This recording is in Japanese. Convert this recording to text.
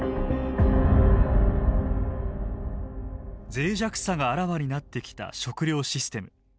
脆弱さがあらわになってきた食料システム。